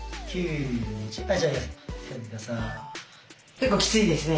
結構きついですね。